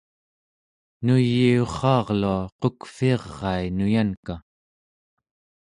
nuyiurraarlua qukvirai nuyanka